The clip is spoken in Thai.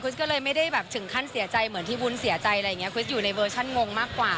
ก็เลยไม่ได้แบบถึงขั้นเสียใจเหมือนที่วุ้นเสียใจอะไรอย่างเงี้คริสอยู่ในเวอร์ชันงงมากกว่า